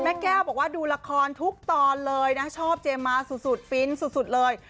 แก้วบอกว่าดูละครทุกตอนเลยนะชอบเจมมาสุดฟินสุดเลย